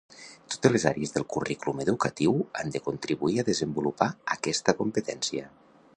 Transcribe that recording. Totes les àrees del currículum educatiu han de contribuir a desenvolupar aquesta competència.